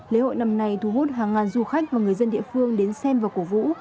lễ hội năm nay thu hút hàng ngàn du khách và người dân địa phương đến xem và cổ vũ